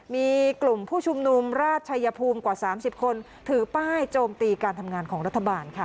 มีกลุ่มผู้ชุมนุมราชชัยภูมิกว่า๓๐คนถือป้ายโจมตีการทำงานของรัฐบาลค่ะ